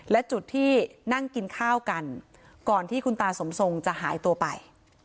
และจุดที่นั่งกินข้าวกันก่อนที่คุณตาสมทรงจะหายตัวไป